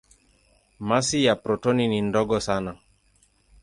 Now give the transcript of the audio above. Masi ya protoni ni ndogo sana.